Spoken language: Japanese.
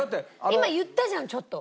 今言ったじゃんちょっと。